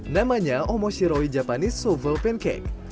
namanya omo shiroi japanese sovel pancake